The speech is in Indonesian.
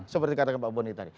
seperti katakan pak boni tadi